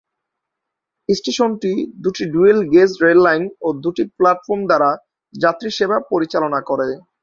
স্টেশনটি দুটি dual gauge rail line ও দুটি প্লাটফর্ম দ্বারা যাত্রী সেবা পরিচালনা করে।